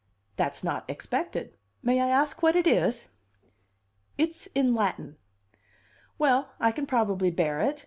"That's not expected. May I ask what it is?" "It's in Latin." "Well, I can probably bear it.